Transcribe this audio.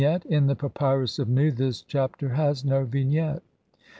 ] Vignette : In the Papyrus of Nu this Chapter has no vignette.